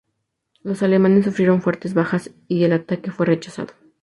Los alemanes sufrieron fuertes bajas y el ataque fue rechazado.